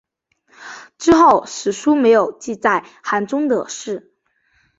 之后史书没有记载韩忠的事。